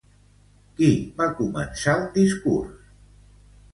Qui va començar un discurs?